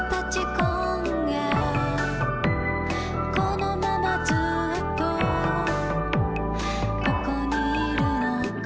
「このままずっとここに居るのか」